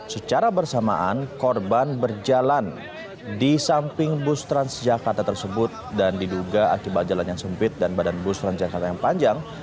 secara bersamaan korban berjalan di samping bus transjakarta tersebut dan diduga akibat jalan yang sempit dan badan bus transjakarta yang panjang